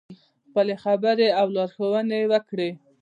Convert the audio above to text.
خپلې خبرې او لارښوونې وکړې.